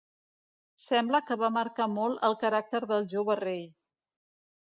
Sembla que va marcar molt el caràcter del jove rei.